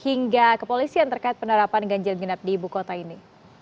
hingga kepolisian terkait penerapan ganjil genap di ibu kota ini